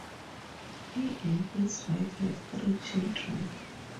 He and his wife have three children.